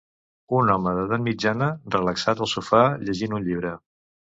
Un home d'edat mitjana relaxat al sofà llegint un llibre.